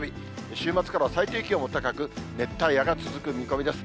週末からは最低気温も高く、熱帯夜が続く見込みです。